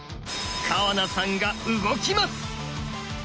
川名さんが動きます！